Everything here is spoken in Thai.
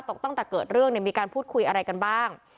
ตั้งแต่เกิดเรื่องมีการพูดคุยอะไรกันบ้าง